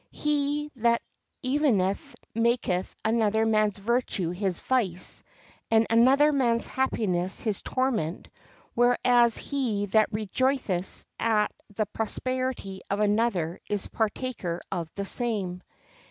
He that envieth maketh another man's virtue his vice, and another man's happiness his torment; whereas he that rejoiceth at the prosperity of another is partaker of the same.